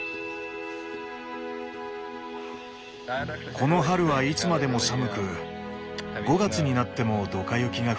この春はいつまでも寒く５月になってもドカ雪が降りました。